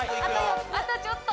あとちょっと！